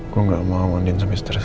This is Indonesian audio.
gue gak mau mandiin semis teres lagi